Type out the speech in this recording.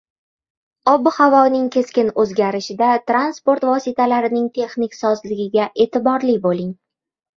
Ob-havoning keskin o‘zgarishida transport vositalarining texnik sozligiga e’tiborli bo‘ling